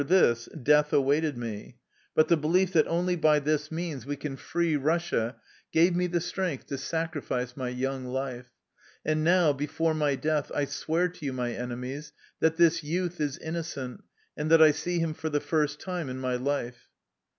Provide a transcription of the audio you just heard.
THE LIFE STOKY OF A KUSSIAN EXILE belief that only by this means we can free Rus sia gave me the strength to sacrifice my young life. And now, before my death, I swear to you, my enemies, that this youth is innocent, and that I see him for the first time in my life.''